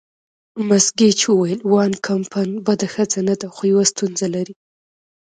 مس ګیج وویل: وان کمپن بده ښځه نه ده، خو یوه ستونزه لري.